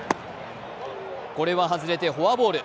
これは外れてフォアボール。